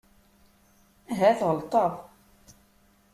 Ahat ɣelḍeɣ.